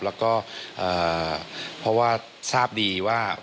แล้วก็เพราะว่าทราบดีว่า